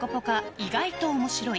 意外と面白い。